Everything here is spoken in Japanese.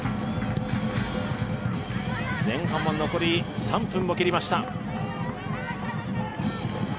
前半も残り３分を切りました。